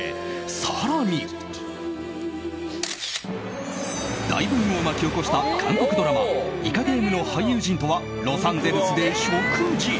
更に、大ブームを巻き起こした韓国ドラマ「イカゲーム」の俳優陣とはロサンゼルスで食事。